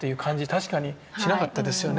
確かにしなかったですよね